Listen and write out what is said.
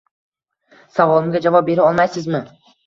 Savolimga javob bera olmaysizmi?